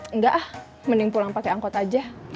enggak ah mending pulang pakai angkot aja